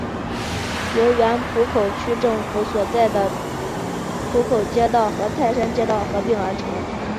由原浦口区政府所在地浦口街道和泰山街道合并而成。